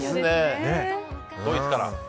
ドイツから。